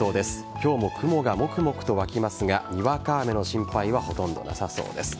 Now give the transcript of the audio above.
今日も雲がもくもくと湧きますがにわか雨の心配はほとんどなさそうです。